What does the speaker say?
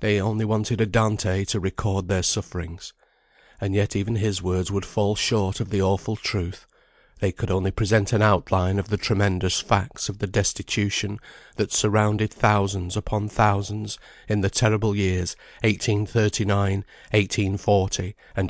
They only wanted a Dante to record their sufferings. And yet even his words would fall short of the awful truth; they could only present an outline of the tremendous facts of the destitution that surrounded thousands upon thousands in the terrible years 1839, 1840, and 1841.